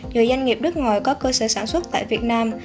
nhiều doanh nghiệp nước ngoài có cơ sở sản xuất tại việt nam